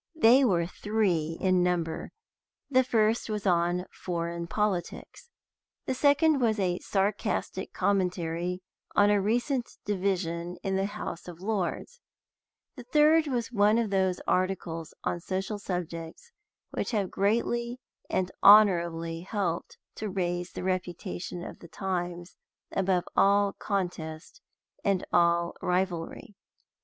They were three in number. The first was on foreign politics; the second was a sarcastic commentary on a recent division in the House of Lords; the third was one of those articles on social subjects which have greatly and honorably helped to raise the reputation of the Times above all contest and all rivalry.